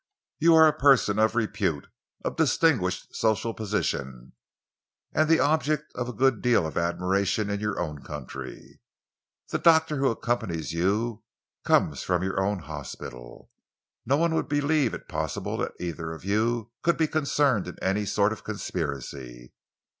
"You are a person of repute, of distinguished social position, and the object of a good deal of admiration in your own country. The doctor who accompanies you comes from your own hospital. No one would believe it possible that either of you could be concerned in any sort of conspiracy.